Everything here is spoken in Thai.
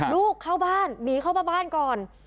ลูกเข้าบ้านหนีเข้ามาบ้านก่อน